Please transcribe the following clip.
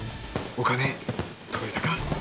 お金届いたか。